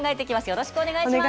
よろしくお願いします。